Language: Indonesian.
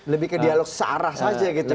lebih ke dialog searah saja gitu ya